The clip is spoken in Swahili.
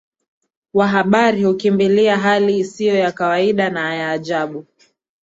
Wa habari hukimbilia hali isiyo ya kawaida na ya ajabu